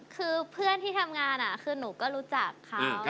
คือเพื่อนที่ทำงานคือหนูก็รู้จักเขา